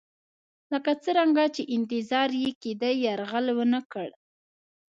لکه څرنګه چې انتظار یې کېدی یرغل ونه کړ.